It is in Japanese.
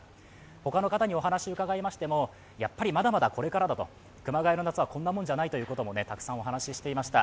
他の方にお話を伺いましても、まだまだこれからだと、熊谷の夏はこんなもんじゃないということをたくさんお話をしていました。